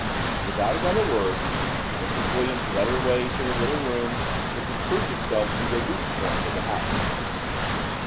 Without another word, Mrs. Williams led the way to the little room which had proved itself to be the "weak point" of the house.